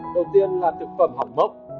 đầu tiên là thực phẩm hỏng mốc